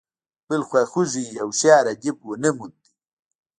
بل خواخوږی او هوښیار ادیب ونه موند.